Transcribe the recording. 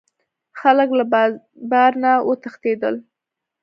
خلک له بار نه وتښتیدل.